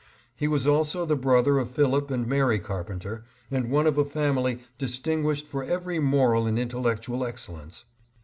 He was also the brother of Philip and Mary Carpenter, and one of a family distinguished for every moral and intellectual ex cellence.